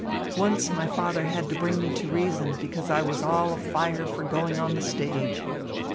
Once my father had to bring me to reason because I was all afire for going on the stage.